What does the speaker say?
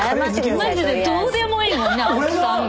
マジでどうでもいいもんね。俺が？